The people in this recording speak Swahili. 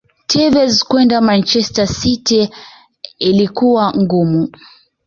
Tevez kwenda manchester city ilikuwa ngumu